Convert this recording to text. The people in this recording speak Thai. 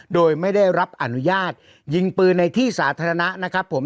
โดยไม่ได้รับอนุญาตยิงปืนในที่สาธารณะนะครับผม